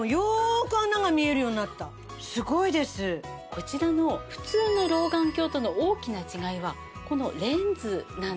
こちらの普通の老眼鏡との大きな違いはこのレンズなんです。